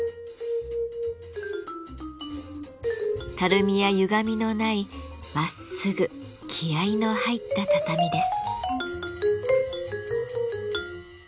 たるみやゆがみのないまっすぐ気合いの入った畳です。